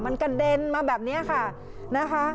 มันกระเด็นมาแบบนี้ค่ะนะคะ